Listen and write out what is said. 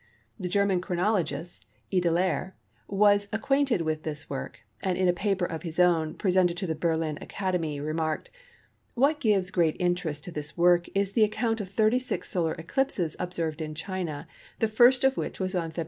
The German chronologist, Ideler, was acquainted with this work, and in a paper of his own, presented to the Berlin Academy, remarked:—"What gives great interest to this work is the account of 36 solar eclipses observed in China, the first of which was on Feb.